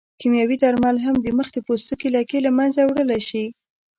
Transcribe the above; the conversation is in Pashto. کیمیاوي درمل هم د مخ د پوستکي لکې له منځه وړلی شي.